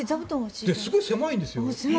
すごい狭いんですよ。